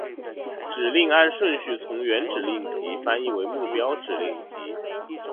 指令按顺序从原指令集翻译为目标指令集。